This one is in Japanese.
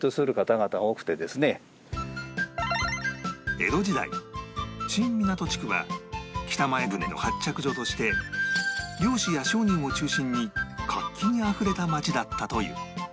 江戸時代新湊地区は北前船の発着所として漁師や商人を中心に活気にあふれた町だったという